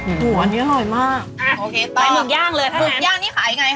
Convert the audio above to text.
หัวอันนี้อร่อยมาก